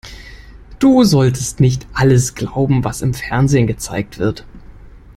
Du solltest nicht alles glauben, was im Fernsehen gezeigt wird.